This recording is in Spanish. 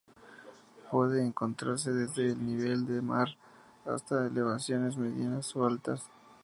Puede encontrarse desde el nivel del mar hasta elevaciones medianas o altas.